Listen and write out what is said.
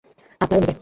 আপনার ও নিবে।